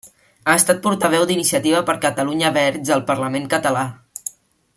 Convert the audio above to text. Ha estat portaveu d'Iniciativa per Catalunya Verds al parlament català.